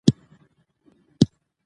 افغانستان د ژورې سرچینې له پلوه متنوع دی.